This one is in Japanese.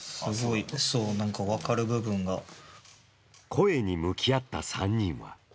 「声」に向き合った３人は。